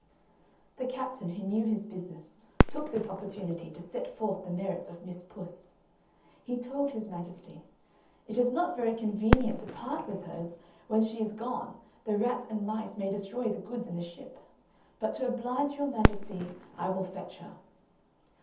The captain, who knew his business, took this opportunity to set forth the merits of Miss Puss. He told his majesty; "It is not very convenient to part with her, as, when she is gone, the rats and mice may destroy the goods in the ship but to oblige your majesty, I will fetch her."